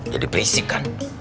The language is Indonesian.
jadi berisik kan